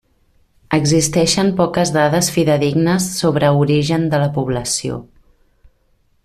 Existeixen poques dades fidedignes sobre origen de la població.